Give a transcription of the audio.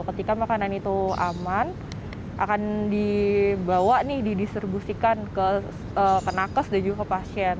ketika makanan itu aman akan dibawa nih didistribusikan ke nakes dan juga ke pasien